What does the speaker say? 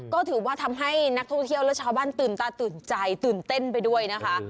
ก็ถือว่าทำให้นักท่องเที่ยวและชาวบ้านตื่นตาตื่นใจตื่นเต้นไปด้วยนะคะ